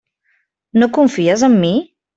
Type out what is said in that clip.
No confies en mi?